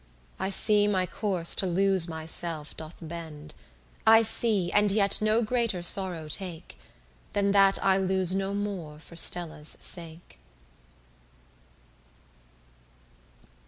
I see my course to lose myself doth bend: I see and yet no greater sorrow take, Than that I lose no more for Stella's sake.